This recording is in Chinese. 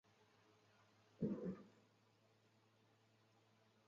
郑氏与阮氏家族都源出于后黎朝开国皇帝黎利的功臣后裔。